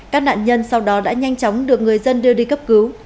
các nạn nhân sau đó đã nhanh chóng được người dân đưa đi cấp cứu